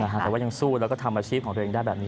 แต่ว่ายังสู้แล้วก็ทำอาชีพของตัวเองได้แบบนี้